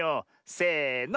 せの！